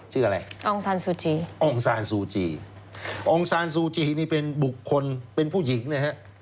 ชื่ออะไรองซานซูจีอองซานซูจีองซานซูจีนี่เป็นบุคคลเป็นผู้หญิงนะฮะ